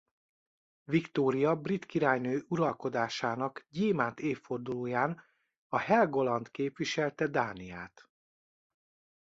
Viktória brit királynő uralkodásának gyémánt évfordulóján a Helgoland képviselte Dániát.